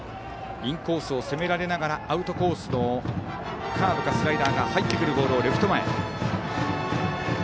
インコースを攻められながらアウトコースのカーブかスライダーか入ってくるボールをレフト前へ。